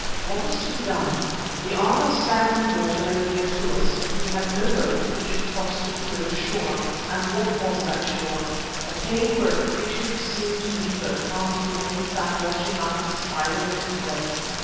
What was to be done? The arm of stagnant water lay near to us, but we had no boat with which to cross to the further shore. And what was that shore? A cave where a creature who seemed to be but half human, sat watching like a spider in its web.